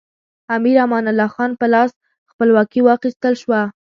امیر امان الله خان په لاس خپلواکي واخیستل شوه.